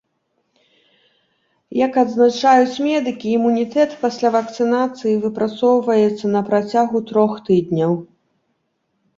Як адзначаюць медыкі, імунітэт пасля вакцынацыі выпрацоўваецца на працягу трох тыдняў.